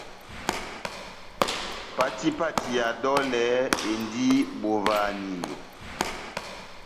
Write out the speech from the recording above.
Pati pati ya dolɛ endi bovahaniyo.